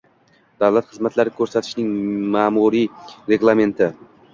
davlat xizmatlari ko‘rsatishning ma’muriy reglamenti”.